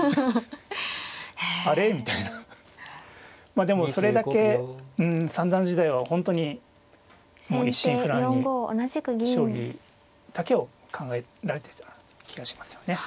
まあでもそれだけ三段時代は本当にもう一心不乱に将棋だけを考えられてた気がしますよね。